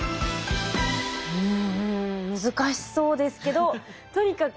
うん難しそうですけどとにかく